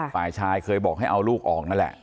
ฝ่ายชายเคยบอกให้เอาลูกออกนั่นแหละ